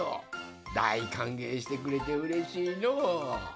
だいかんげいしてくれてうれしいのう。